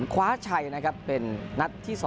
คว้าชัยนะครับเป็นนัดที่๒